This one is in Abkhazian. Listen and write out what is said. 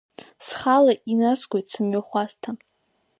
Схала иназгоит сымҩахәасҭа.